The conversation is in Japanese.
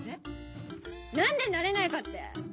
「何でなれないかって？